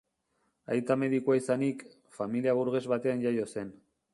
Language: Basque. Aita medikua izanik, familia burges batean jaio zen.